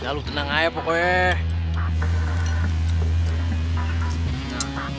ya lo tenang aja pokoknya